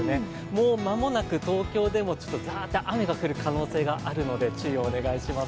もう間もなく東京でもザーッと雨が降る可能性があるので注意をお願いします。